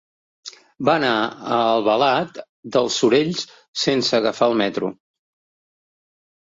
Va anar a Albalat dels Sorells sense agafar el metro.